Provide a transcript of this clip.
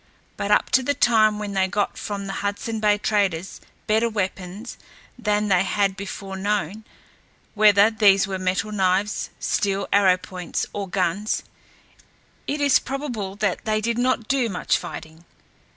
But up to the time when they got from the Hudson Bay traders better weapons than they had before known, whether these were metal knives, steel arrow points, or guns, it is probable that they did not do much fighting.